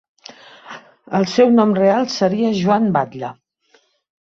El seu nom real seria Joan Batlle.